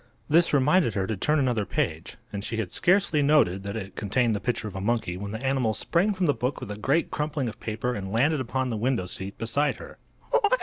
This reminded her to turn another page, and she had scarcely noted that it contained the picture of a monkey when the animal sprang from the book with a great crumpling of paper and landed upon the window seat beside her.